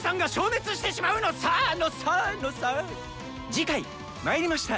次回「魔入りました！